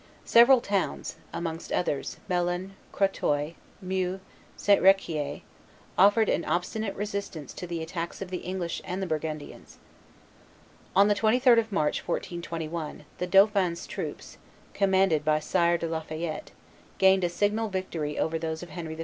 Several towns, amongst others, Melun, Crotoy, Meaux, and St. Riquier, offered an obstinate resistance to the attacks of the English and Burgundians. On the 23d of March, 1421, the dauphin's troops, commanded by Sire de la Fayette, gained a signal victory over those of Henry V.